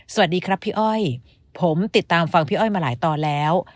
สวัสดีครับพี่อ้อยผมติดตามฟังพี่อ้อยมาหลายตอนแล้ว